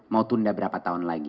mau tunda berapa tahun lagi